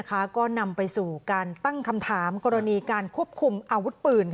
ก็นำไปสู่การตั้งคำถามกรณีการควบคุมอาวุธปืน